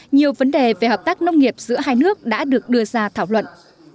nhiều vấn đề về hợp tác nông nghiệp giữa hai nước đã được đưa ra thảo luận